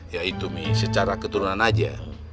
ya itu mie secara keturunan aja